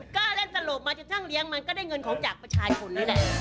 ก็เล่นตลบมาจนทั้งเลี้ยงมันก็ได้เงินของจากประชาชนแล้วแหละ